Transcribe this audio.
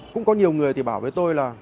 cũng có nhiều người thì bảo với tôi là